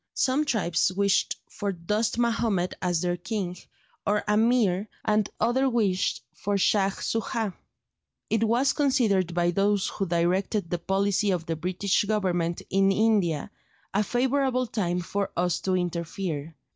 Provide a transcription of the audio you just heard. Some tribes wished for Dost Mahomed as their king, or Ameer, and others wished for Shaj Soojah. It was considered by those who directed the policy of the British Government in India, a favourable time for us to interfere.